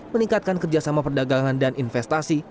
meningkatkan kerjasama perdagangan dan investasi